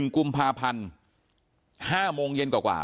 ๑กุมภาพันธ์๕โมงเย็นกว่า